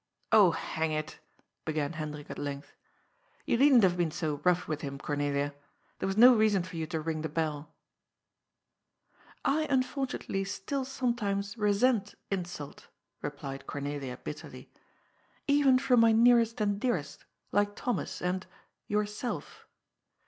" Oh, hang it I " began Hen drik at length, ''you needn't have been so rough with him, Cornelia. There was no reason for you to ring the belL" " I unfortunately still sometimes resent insult," replied Cornelia bitterly, '' even from my nearest and dearest, like Thomas and — yourself.